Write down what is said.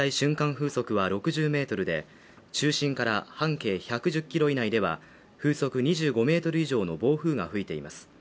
風速は６０メートルで中心から半径１１０ｋｍ以内では風速２５メートル以上の暴風が吹いています